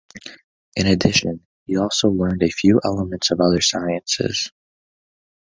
In addition, he also learned a few elements of other sciences.